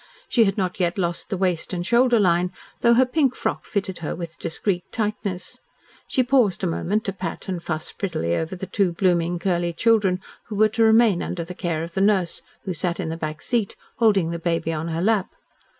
She had not yet lost the waist and shoulder line, though her pink frock fitted her with discreet tightness. She paused a moment to pat and fuss prettily over the two blooming, curly children who were to remain under the care of the nurse, who sat on the back seat, holding the baby on her lap.